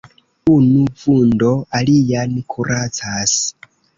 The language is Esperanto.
Unu vundo alian kuracas.